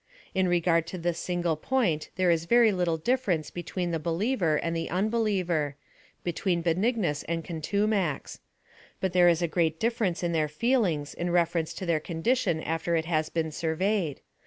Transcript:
In regard to this single point there is very little difference between the believer and the un believer — between Benignus and Contumax. But there is a great difference in their feelings in reference to their condition after it has been surveyed.